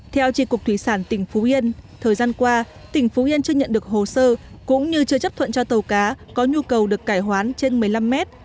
theo trị cục thủy sản tỉnh phú yên thời gian qua tỉnh phú yên chưa nhận được hồ sơ cũng như chưa chấp thuận cho tàu cá có nhu cầu được cải hoán trên một mươi năm mét